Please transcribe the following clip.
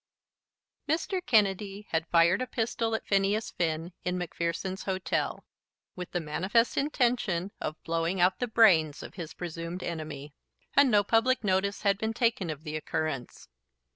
Mr. Kennedy had fired a pistol at Phineas Finn in Macpherson's Hotel with the manifest intention of blowing out the brains of his presumed enemy, and no public notice had been taken of the occurrence.